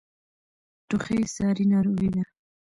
ټوخی ساری ناروغۍ ده.